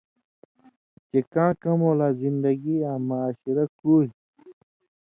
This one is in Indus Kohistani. چے کاں کمؤں لا زندگی آں مُعاشرہ کُوریۡ تھی